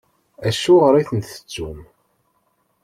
Acuɣeṛ i ten-tettum?